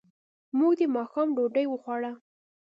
موږ د ماښام ډوډۍ وخوړه.